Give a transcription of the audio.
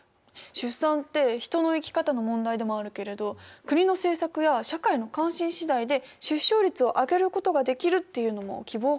出産って人の生き方の問題でもあるけれど国の政策や社会の関心次第で出生率を上げることができるっていうのも希望を感じました。